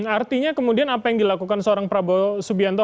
artinya kemudian apa yang dilakukan seorang prabowo subianto